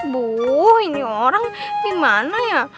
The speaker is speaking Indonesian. buuh ini orang gimana ya